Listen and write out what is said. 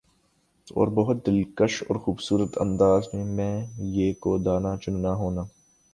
اور بَہُت دلکش اورخوبصورت انداز میں مَیں یِہ کو دانہ چننا ہونا